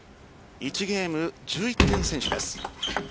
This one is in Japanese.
１ゲーム１１点先取です。